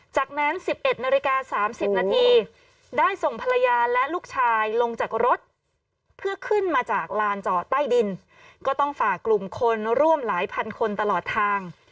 จากนั้น๑๑นาฬิกา๓๐นาทีได้ส่งภรรยาและลูกชายลงจากรถเพื่อขึ้นมาจากลานจอดใต้ดินก็ต้องฝากกลุ่มคนร่วมหลายพันคนตลอดทาง